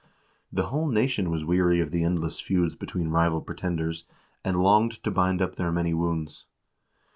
The whole nation was weary of the endless feuds between rival pretenders, and longed to bind up their many wounds.